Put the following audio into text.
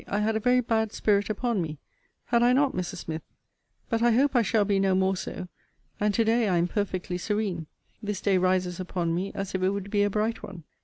I had a very bad spirit upon me. Had I not, Mrs. Smith? But I hope I shall be no more so. And to day I am perfectly serene. This day rises upon me as if it would be a bright one.